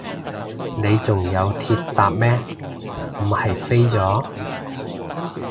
你仲有鐵搭咩，唔係飛咗？